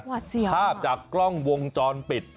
ภาพจากกล้องวงจรปิด